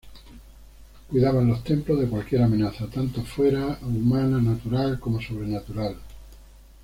Cuidaban los templos de cualquier amenaza; tanto fuera: humana, natural como sobrenatural.